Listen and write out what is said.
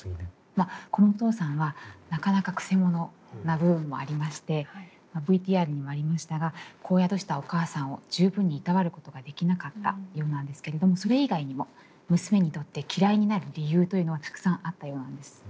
まあこのお父さんはなかなかくせ者な部分もありましてＶＴＲにもありましたが子を宿したお母さんを十分に労ることができなかったようなんですけれどもそれ以外にも娘にとって嫌いになる理由というのはたくさんあったようなんです。